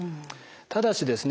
ただしですね